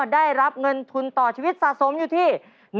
ได้รับเงินทุนต่อชีวิตสะสมอยู่ที่